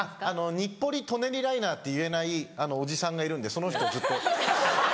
「日暮里・舎人ライナー」って言えないおじさんがいるんでその人をずっと。